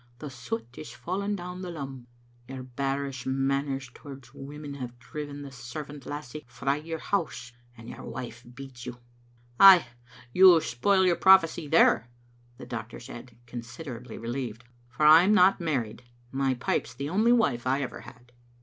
The soot is falling down the lum. Your bearish man^ ners towards women have driven the servant lassie frae your house, and your wife beats you." "Ay, you spoil your prophecy there," the doctor said, considerably relieved, "for I'm not married; my pipe's the only wife I ever had."